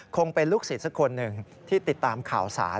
คงเป็นลูกศิษย์สักคนหนึ่งที่ติดตามข่าวสาร